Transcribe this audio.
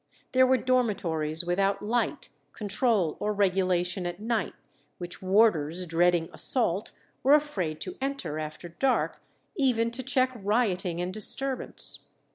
There were dormitories without light, control, or regulation at night, which warders, dreading assault, were afraid to enter after dark, even to check rioting and disturbance.